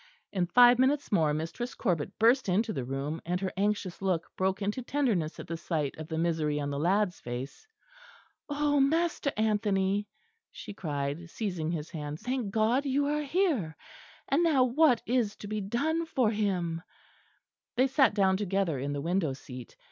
In five minutes more Mistress Corbet burst into the room; and her anxious look broke into tenderness at the sight of the misery in the lad's face. "Oh, Master Anthony," she cried, seizing his hand, "thank God you are here. And now what is to be done for him?" They sat down together in the window seat.